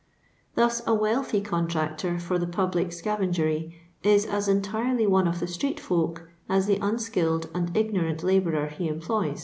Thus a wealthy contractor for the public scavengery, is as entirely one of the street^folk as the unskilled and ig norant labourer he employs.